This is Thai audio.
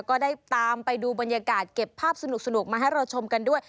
ก็ได้ตามไปดูบรรยากาศเก็บภาพสนุกมาให้เราชมกันด้วย